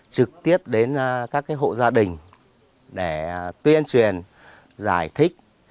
trực tiếp đến các hộ gia đình để tuyên truyền giải thích